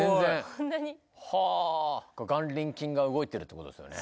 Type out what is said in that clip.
これ眼輪筋が動いてるってことですよね